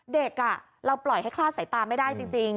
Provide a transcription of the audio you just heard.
เด็กเราปล่อยให้คลาดสายตาไม่ได้จริง